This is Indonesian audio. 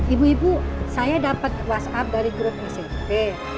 ibu ibu saya dapat whatsapp dari grup smp